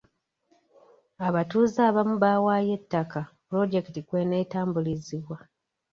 Abatuuze abamu baawaayo ettaka pulojekiti kweneetambulizibwa.